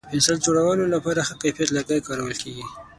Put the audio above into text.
د پنسل جوړولو لپاره ښه کیفیت لرګی کارول کېږي.